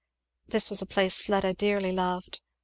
This was a place Fleda dearly loved.